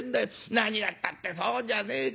何がったってそうじゃねえか。